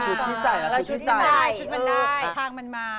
ชุดมันได้ทางมันมา